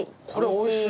おいしい。